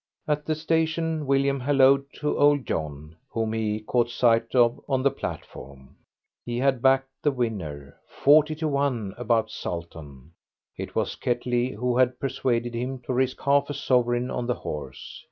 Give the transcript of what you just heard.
At the station William halloaed to old John, whom he caught sight of on the platform. He had backed the winner forty to one about Sultan. It was Ketley who had persuaded him to risk half a sovereign on the horse.